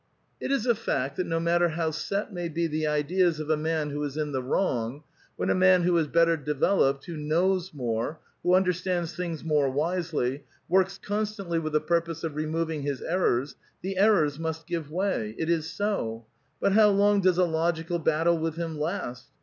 It is a fact, that no matter how set may be the ideas of a man who is in the wrong, when a man who is better devel oped, who knows more, who understands things more wisely, works constantly with the purpose of removing his errors, the errors must give way. It is so ; but how long does a logical battle with him last?